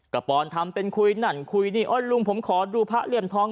กับองกองทำเป็นคุยหนั่นคุยดิโอ้ยลุงผมขอดูพระเรียนท้อง